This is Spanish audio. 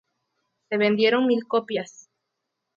Se vendieron mil copias.